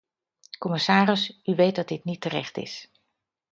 Commissaris, u weet dat dit niet terecht is.